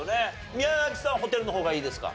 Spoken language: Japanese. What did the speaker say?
宮崎さんはホテルの方がいいですか？